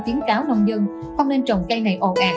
tiến cáo nông dân không nên trồng cây này ồn ạt